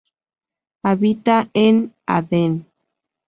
Habita en Aden.